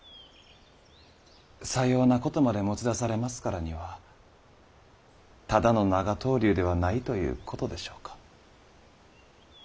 さようなことまで持ち出されますからにはただの長とう留ではないということでしょうか。